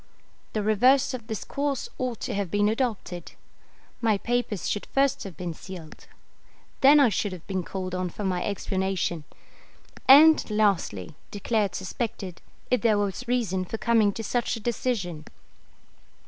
The reverse of this course ought to have been adopted. My papers should first have been sealed; then I should have been called on for my explanation; and, lastly, declared suspected, if there was reason for coming to such a decision.